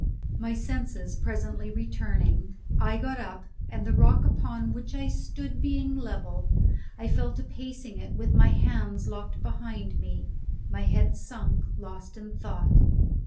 My senses presently returning, I got up, and the rock upon which I stood being level, I fell to pacing it with my hands locked behind me, my head sunk, lost in thought.